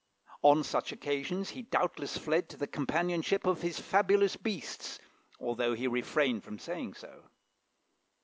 On such occasions he doubtless fled to the companionship of his fabulous beasts, although he refrained from saying so.